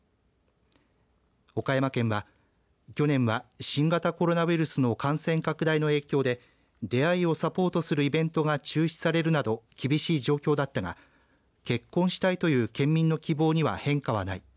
岡山県は去年は、新型コロナウイルスの感染拡大の影響で出会いをサポートするイベントが中止されるなど厳しい状況だったが結婚したいという県民の希望には変化はない。